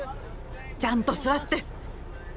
ちゃんと座って。